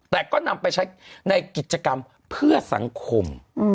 แต่ก็นำไปใช้ในกิจกรรมเพื่อสังคม